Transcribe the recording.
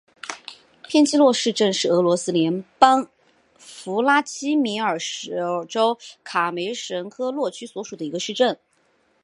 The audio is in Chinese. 片基诺市镇是俄罗斯联邦弗拉基米尔州卡梅什科沃区所属的一个市镇。